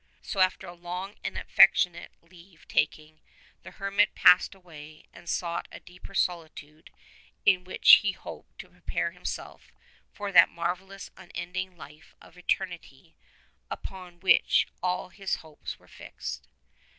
So after a long and affectionate leave taking the hermit passed away and sought a deeper solitude in which he hoped to prepare himself for that marvellous unending life of Eternity upon which all his hopes were fixed.